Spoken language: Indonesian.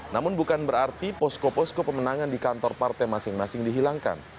namun bukan berarti posko posko pemenangan di kantor partai masing masing dihilangkan